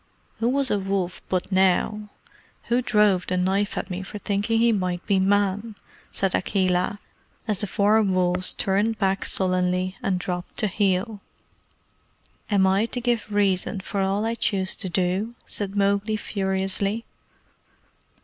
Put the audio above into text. "Who was a wolf but now? Who drove the knife at me for thinking he might be Man?" said Akela, as the four wolves turned back sullenly and dropped to heel. "Am I to give reason for all I choose to, do?" said Mowgli furiously.